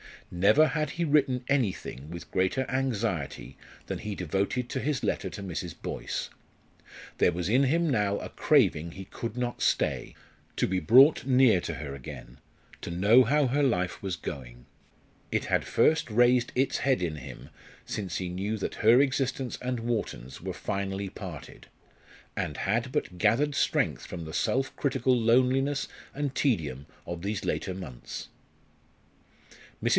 Never had he written anything with greater anxiety than he devoted to his letter to Mrs. Boyce. There was in him now a craving he could not stay, to be brought near to her again, to know how her life was going. It had first raised its head in him since he knew that her existence and Wharton's were finally parted, and had but gathered strength from the self critical loneliness and tedium of these later months. Mrs.